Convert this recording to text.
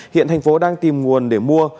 hiện thành phố đang tìm nguồn để mua